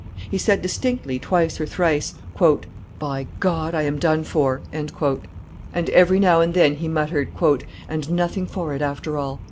He said, distinctly, twice or thrice, "by , I am done for;" and every now and then he muttered, "and nothing for it, after all."